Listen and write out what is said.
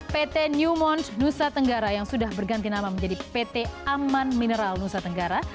pt newmont nusa tenggara yang sudah berganti nama menjadi pt aman mineral nusa tenggara